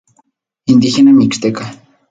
Indigena mixteca.